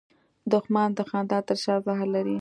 دښمن د خندا تر شا زهر لري